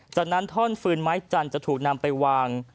จากนั้นท่อนฟืนไม้จันทร์จะถูกนำไปวาง